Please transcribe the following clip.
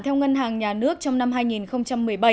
theo ngân hàng nhà nước trong năm hai nghìn một mươi bảy